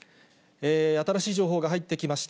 新しい情報が入ってきました。